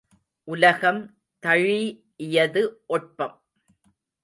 உலகம் தழீஇயது ஒட்பம்!